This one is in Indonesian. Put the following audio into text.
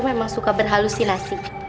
memang suka berhalusinasi